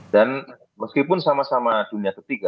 dan meskipun sama sama dunia ketiga